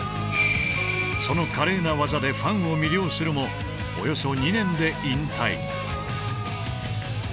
その華麗な技でファンを魅了するもおよそ２年で引退。